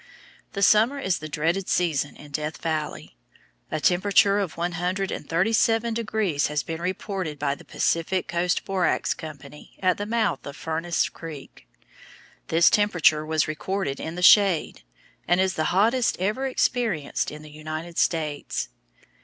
The summer is the dreaded season in Death Valley. A temperature of one hundred and thirty seven degrees has been reported by the Pacific Coast Borax Company at the mouth of Furnace Creek. This temperature was recorded in the shade, and is the hottest ever experienced in the United States.